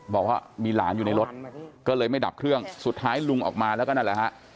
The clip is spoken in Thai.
บอกว่ามีหลานอยู่ในรถก็เลยไม่ดับเครื่องสุดท้ายลุงออกมาแล้วก็นั่นแหละฮะ